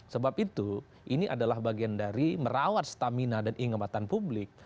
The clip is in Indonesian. sebab itu ini adalah bagian dari merawat stamina dan ingatan publik